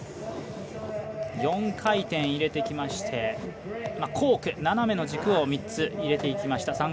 ４回転入れてきましてコーク、斜めの軸を３つ入れてきました。